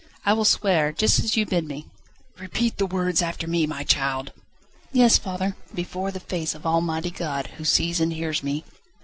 I will swear, just as you bid me." "Repeat the words after me, my child." "Yes, father." "Before the face of Almighty God, who sees and hears me